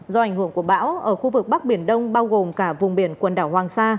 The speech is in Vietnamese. do ảnh hưởng của bão ở khu vực bắc biển đông bao gồm cả vùng biển quần đảo hoàng sa